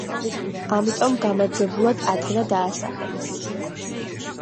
ამიტომ გამარჯვებულად ათენა დაასახელეს.